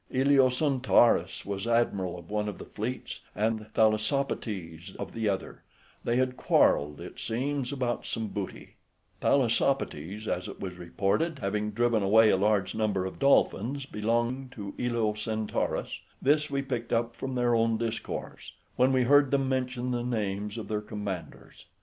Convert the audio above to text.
AEolocentaurus was admiral of one of the fleets, and Thalassopotes of the other: they had quarrelled, it seems, about some booty; Thalassopotes, as it was reported, having driven away a large tribe of dolphins belonging to AEolocentaurus: this we picked up from their own discourse, when we heard them mention the names of their commanders.